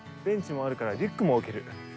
ベンチもあるからリュックも置ける。